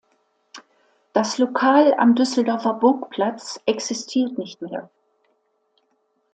Das Lokal am Düsseldorfer Burgplatz existiert nicht mehr.